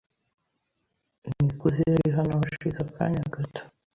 Nikuze yari hano hashize akanya gato.